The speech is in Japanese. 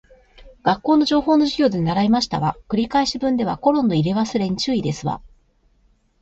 学校の情報の授業で習いましたわ。繰り返し文ではコロンの入れ忘れに注意ですわ